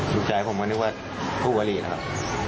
ดูใจผมก็นึกว่าผู้ผลิตครับ